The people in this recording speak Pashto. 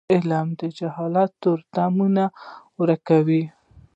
علم د جهالت تورتمونه ورکوي.